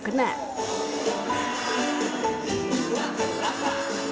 coconut yang aku suka